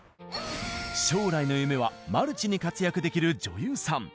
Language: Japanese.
将来の夢はマルチに活躍できる女優さん。